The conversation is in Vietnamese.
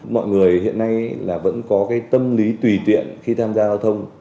mọi người hiện nay là vẫn có cái tâm lý tùy tiện khi tham gia giao thông